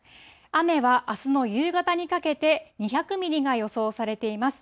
雨はあすの夕方にかけて２００ミリが予想されています。